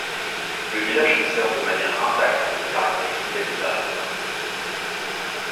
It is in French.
Le village conserve de manière intacte le caractéristique habitat alpin.